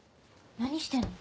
何してんの？